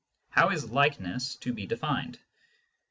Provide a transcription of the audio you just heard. How is likeness to be defined